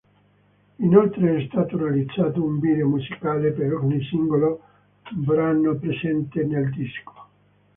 Inoltre è stato realizzato un video musicale per ogni singolo brano presente nel disco.